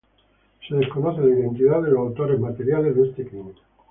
Se desconoce la identidad de los autores materiales de este crimen.